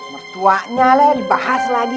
mertuanya lah dibahas lagi